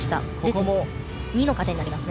０．２の加点になります。